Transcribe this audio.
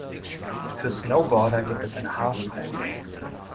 Für Snowboarder gibt es eine Halfpipe.